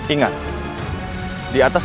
ingat di atas